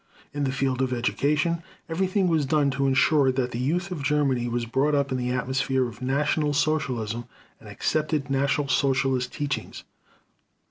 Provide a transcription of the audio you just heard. In the field of education, everything was done to ensure that the youth of Germany was brought up in the atmosphere of National Socialism and accepted National Socialist teachings.